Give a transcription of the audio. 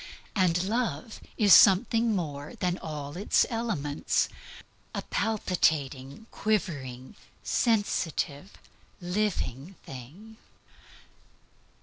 And love is something more than all its elements a palpitating, quivering, sensitive, living thing.